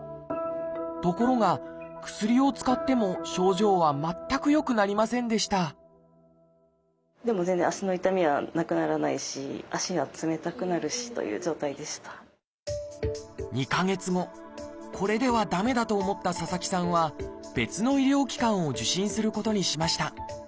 ところが薬を使っても症状は全く良くなりませんでした２か月後これでは駄目だと思った佐々木さんは別の医療機関を受診することにしました。